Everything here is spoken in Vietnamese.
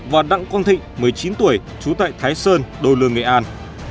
và đặng quang thịnh một mươi chín tuổi chú tại thái sơn đồ lương nghệ an